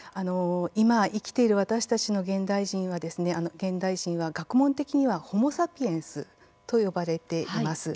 今、生きている私たちの現代人は学問的にはホモ・サピエンスと呼ばれています。